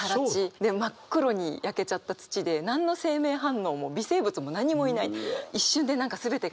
で真っ黒に焼けちゃった土で何の生命反応も微生物も何もいない。